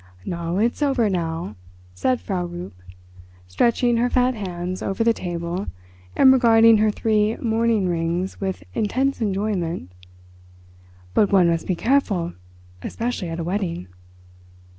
"Na, it's over now," said Frau Rupp, stretching her fat hands over the table and regarding her three mourning rings with intense enjoyment; "but one must be careful, especially at a wedding."